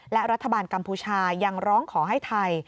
และรัฐบาลกัมพูชายังร้องขอให้ไทย